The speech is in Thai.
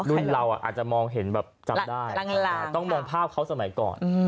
รุ่นเราอาจจะมองเห็นแบบจำได้ต้องมองภาพเขาสมัยก่อน